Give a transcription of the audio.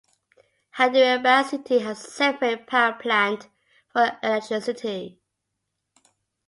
Hyderabad city had a separate powerplant for electricity.